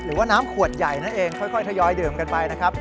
หรือว่าน้ำขวดใหญ่นั่นเองค่อยทยอยดื่มกันไปนะครับ